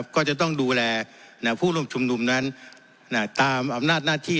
ก็จะต้องดูแลผู้ร่วมชุมนุมนั้นตามอำนาจหน้าที่